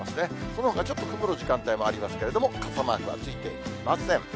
そのほか、ちょっと曇る時間帯もありますけれども、傘マークはついていません。